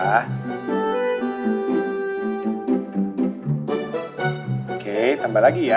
oke tambah lagi ya